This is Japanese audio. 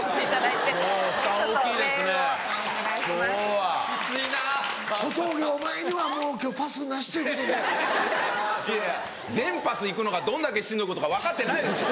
いやいや全パス行くのがどんだけしんどいことか分かってないでしょ。